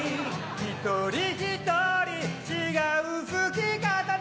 一人一人違う拭き方で